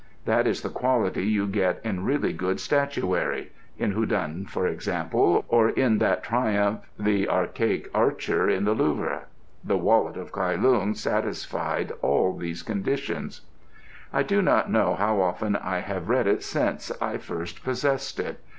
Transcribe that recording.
That is the quality you get in really good statuary in Houdon, for instance, or in that triumph the archaic Archer in the Louvre. The Wallet of Kai Lung satisfied all these conditions. I do not know how often I have read it since I first possessed it.